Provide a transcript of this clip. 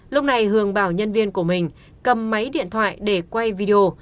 lúc này hường bảo nhân viên của mình cầm máy điện thoại để quay video